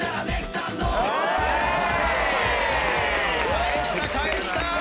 返した返した！